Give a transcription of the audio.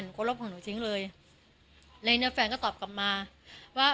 หนูก็ลบของหนูทิ้งเลยแล้วเนื้อแฟนก็ตอบกลับมาว่า